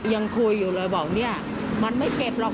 ยังคุยอยู่เลยบอกเนี่ยมันไม่เก็บหรอก